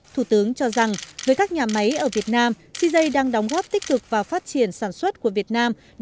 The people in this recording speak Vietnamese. thủ tướng cho rằng với các nhà máy ở việt nam pz đang đóng góp tích cực vào phát triển sản xuất của việt nam